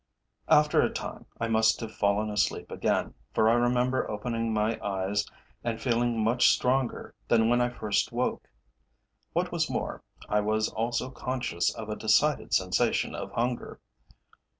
After a time I must have fallen asleep again, for I remember opening my eyes and feeling much stronger than when I first woke. What was more, I was also conscious of a decided sensation of hunger.